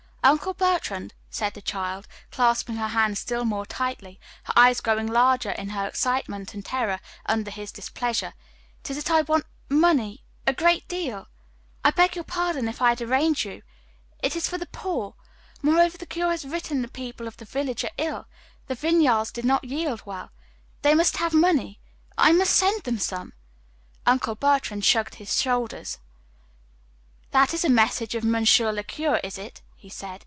"Uncle Bertrand," said the child, clasping her hands still more tightly, her eyes growing larger in her excitement and terror under his displeasure, "it is that I want money a great deal. I beg your pardon if I derange you. It is for the poor. Moreover, the curé has written the people of the village are ill the vineyards did not yield well. They must have money. I must send them some." Uncle Bertrand shrugged his shoulders. "That is the message of monsieur le curé, is it?" he said.